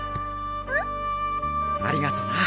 うん？ありがとな。